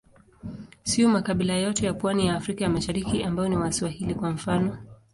Siyo makabila yote ya pwani ya Afrika ya Mashariki ambao ni Waswahili, kwa mfano.